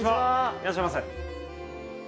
いらっしゃませ。